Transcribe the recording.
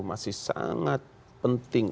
masih sangat penting